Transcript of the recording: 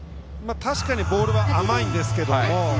確かにボールは甘いんです。